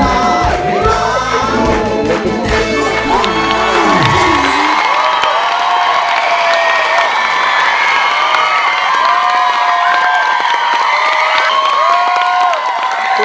ได้ครับ